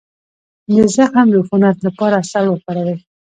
د زخم د عفونت لپاره عسل وکاروئ